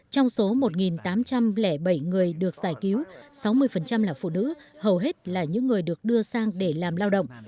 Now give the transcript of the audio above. trong số một tám trăm linh bảy người được giải cứu sáu mươi là phụ nữ hầu hết là những người được đưa sang để làm lao động